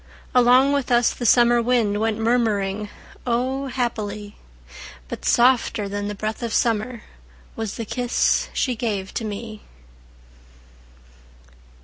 Along with us the summer wind Went murmuring O, happily! But softer than the breath of summer Was the kiss she gave to me.